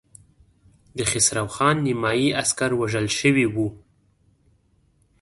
د خسرو خان نيمايي عسکر وژل شوي وو.